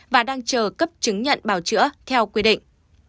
và đang chờ cấp chứng nhận bảo chữa theo quy định